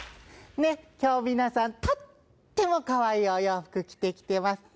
ね、きょう皆さん、とってもかわいいお洋服着てきてますね。